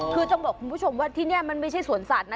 คือต้องบอกคุณผู้ชมว่าที่นี่มันไม่ใช่สวนสัตว์นะ